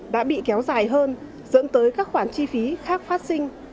đã bị kéo dài hơn dẫn tới các khoản chi phí khác phát sinh